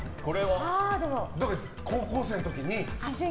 高校生の時に。